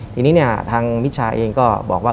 ทีนี้เนี่ยทางมิชชาเองก็บอกว่า